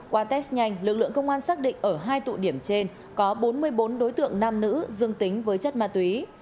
qua test nhanh lực lượng công an xác định ở hai tụ điểm trên có bốn mươi bốn đối tượng nam nữ dương tính với chất ma túy